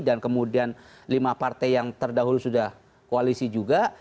dan kemudian lima partai yang terdahulu sudah koalisi juga